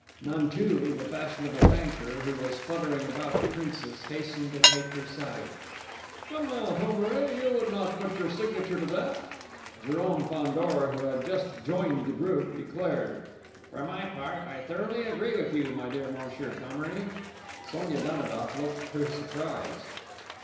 Nanteuil, the fashionable banker, who was fluttering about the Princess, hastened to take her side: "Come now, Thomery, you would not put your signature to that?" Jérôme Fandor, who had just joined the group, declared: "For my part, I thoroughly agree with you, my dear Monsieur Thomery!" Sonia Danidoff looked her surprise.